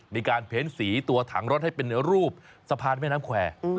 มีการเพ้นสีตัวถังรถให้เป็นรูปสะพานแม่น้ำแควร์